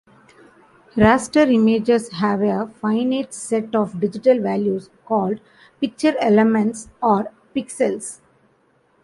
Raster images have a finite set of digital values, called "picture elements" or pixels.